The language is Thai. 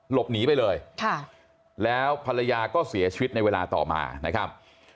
หลบหนีไปเลยแล้วภรรยาก็เสียชีวิตในเวลาต่อมานะครับ